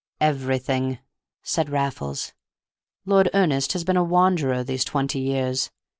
"Everything," said Raffles. "Lord Ernest has been a wanderer these twenty years.